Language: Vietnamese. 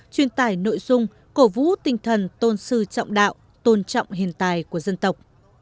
truyền tải nội dung cổ vũ tinh thần tôn sư trọng đạo tôn trọng hiện tài của dân tộc